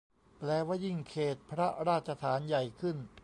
แปลว่ายิ่งเขตพระราชฐานใหญ่ขึ้น